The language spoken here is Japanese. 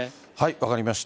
分かりました。